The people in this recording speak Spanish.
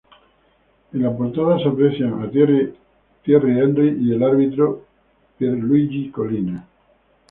En la portada se aprecian a Thierry Henry y el árbitro Pierluigi Collina.